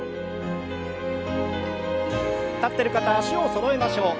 立ってる方は脚をそろえましょう。